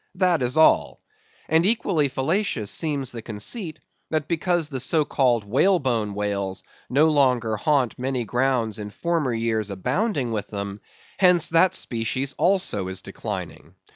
That is all. And equally fallacious seems the conceit, that because the so called whale bone whales no longer haunt many grounds in former years abounding with them, hence that species also is declining.